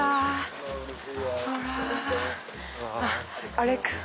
アレックス？